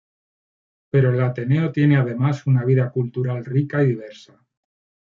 Pero el Ateneo tiene además una vida cultural rica y diversa.